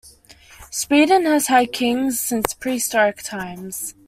Sweden has had kings since prehistoric times.